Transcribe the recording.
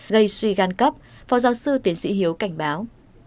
gây suy gan cấp phó giáo sư tiến sĩ hiếu cảnh báo